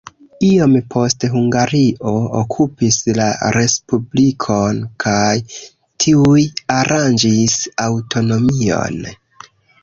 Iom poste Hungario okupis la respublikon kaj tuj aranĝis aŭtonomion.